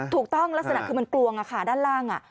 ถูกต้องลักษณะคือมันกลวงค่ะด้านล่าง